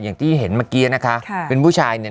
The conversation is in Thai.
อย่างที่เห็นเมื่อกี้นะคะค่ะเป็นผู้ชายเนี่ย